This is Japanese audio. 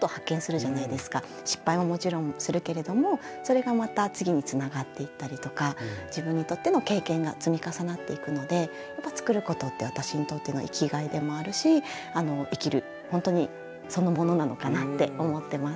失敗ももちろんするけれどもそれがまた次につながっていったりとか自分にとっての経験が積み重なっていくのでやっぱ作ることって私にとっての生きがいでもあるし生きるほんとにそのものなのかなって思ってます。